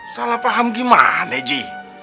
salah paham gimana ji